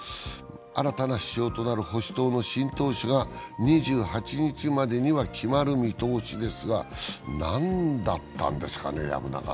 新たな首相となる保守党の新党首が２８日までには決まる見通しですが、何だったんですかね。